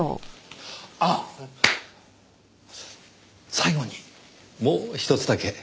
最後にもうひとつだけ。